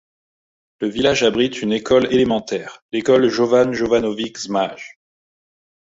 Le village abrite une école élémentaire, l'école Jovan Jovanović Zmaj.